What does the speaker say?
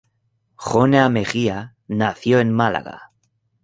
Jona Mejía, nació en Málaga.